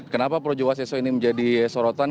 kenapa projo waseso ini menjadi sorotan